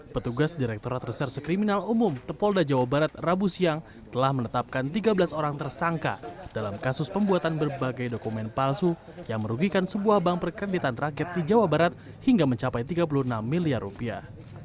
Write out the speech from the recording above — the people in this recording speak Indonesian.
petugas direkturat reserse kriminal umum tepolda jawa barat rabu siang telah menetapkan tiga belas orang tersangka dalam kasus pembuatan berbagai dokumen palsu yang merugikan sebuah bank perkreditan rakyat di jawa barat hingga mencapai tiga puluh enam miliar rupiah